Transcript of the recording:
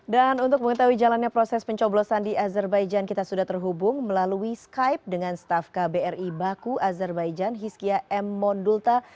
dan untuk mengetahui jalannya proses pencoblosan di azerbaijan kita sudah terhubung melalui skype dengan staff kbri baku azerbaijan hiskia m mondulta